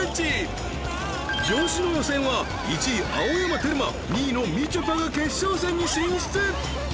［女子の予選は１位青山テルマ２位のみちょぱが決勝戦に進出］